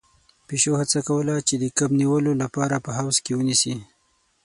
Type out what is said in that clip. پيشو هڅه کوله چې د کب نيولو لپاره په حوض کې ونيسي.